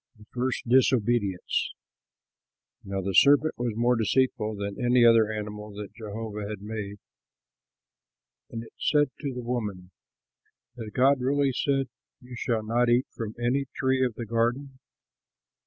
THE FIRST DISOBEDIENCE Now the serpent was more deceitful than any other animal that Jehovah had made; and it said to the woman, "Has God really said, 'You shall not eat from any tree of the garden'?"